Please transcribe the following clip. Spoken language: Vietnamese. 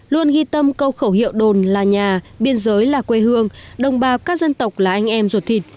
luôn ghi tâm câu khẩu hiệu đồn là nhà biên giới là quê hương đồng bào các dân tộc là anh em ruột thịt